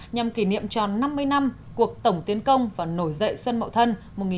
nhằm kỷ niệm cho năm mươi năm cuộc tổng tiến công và nổi dậy xuân mậu thân một nghìn chín trăm sáu mươi tám